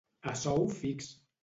A sou fix.